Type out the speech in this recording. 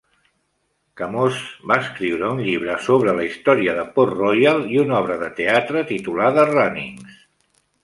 Kamoze va escriure un llibre sobre la història de Port Royal i una obra de teatre titulada "Runnings".